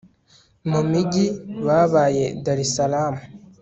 mu mijyi babaye dar es salam